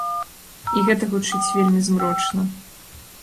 І гэта гучыць вельмі змрочна.